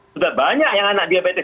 sudah banyak yang anak diabetes